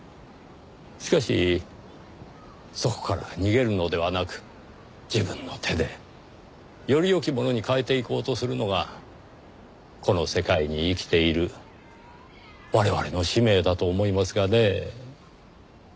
しかしそこから逃げるのではなく自分の手でより良きものに変えていこうとするのがこの世界に生きている我々の使命だと思いますがねぇ。